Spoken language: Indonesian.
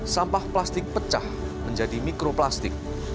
sampah plastik pecah menjadi mikroplastik